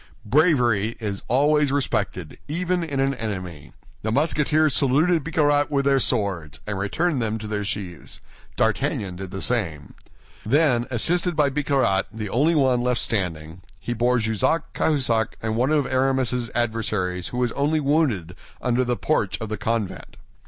Bravery is always respected, even in an enemy. The Musketeers saluted Bicarat with their swords, and returned them to their sheaths. D'Artagnan did the same. Then, assisted by Bicarat, the only one left standing, they bore Jussac, Cahusac, and one of Aramis's adversaries who was only wounded, under the porch of the convent.